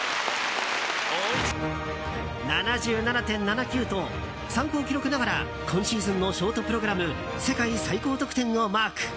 ７７．７９と、参考記録ながら今シーズンのショートプログラム世界最高得点をマーク。